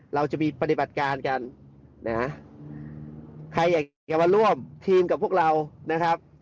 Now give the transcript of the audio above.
เราจะมีปฏิบัติการกันนะฮะใครอยากจะมาร่วมทีมกับพวกเรานะครับ